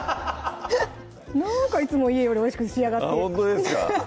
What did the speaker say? なんかいつも家よりおいしく仕上がってあっほんとですか？